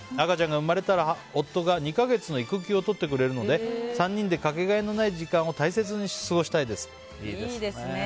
赤ちゃんが生まれたら夫が２か月の育休をとってくれるので３人でかけがえのない時間を大切に過ごしたいです。